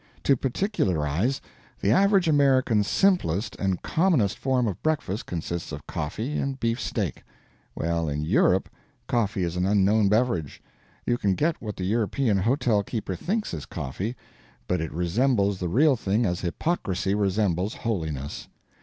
To particularize: the average American's simplest and commonest form of breakfast consists of coffee and beefsteak; well, in Europe, coffee is an unknown beverage. You can get what the European hotel keeper thinks is coffee, but it resembles the real thing as hypocrisy resembles holiness.